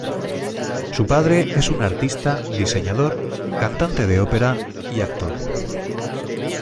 Su padre es un artista, diseñador, cantante de ópera y actor.